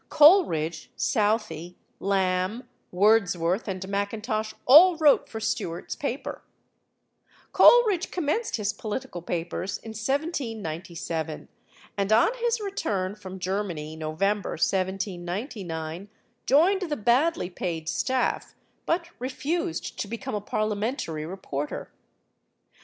Coleridge, Southey, Lamb, Wordsworth, and Mackintosh all wrote for Stuart's paper. Coleridge commenced his political papers in 1797, and on his return from Germany (November 1799) joined the badly paid staff, but refused to become a parliamentary reporter.